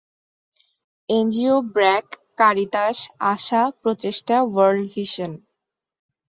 NGO BRAC, Caritas, ASA, Prochesta, World vision.